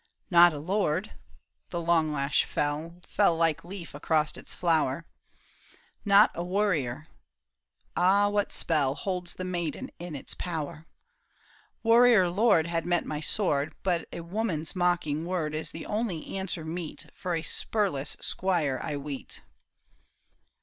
" Not a lord—" The long lash fell. Fell like leaf across its flower ;" Not a warrior —" Ah, what spell Holds the maiden in its power ?" Warrior lord had met my sword. But a woman's mocking word Is the only answer meet For a spurless squire, I weet."